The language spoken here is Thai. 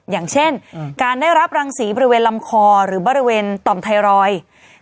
อย่างเช่นการได้รับรังสีบริเวณลำคอหรือบริเวณต่อมไทรอยด์